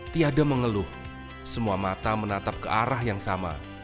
tiada mengeluh semua mata menatap ke arah yang sama